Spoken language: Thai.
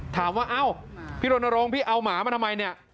ถามว่าพี่รณรงค์พี่เอาหมามาทำไม